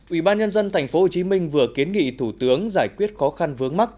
ủy ban nhân dân tp hcm vừa kiến nghị thủ tướng giải quyết khó khăn vướng mắt